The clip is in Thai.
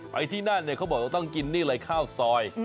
ไปที่นั่นต้องกินข้าวซอย